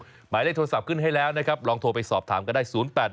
หมายเลขโทรศัพท์ขึ้นให้แล้วนะครับลองโทรไปสอบถามก็ได้๐๘๘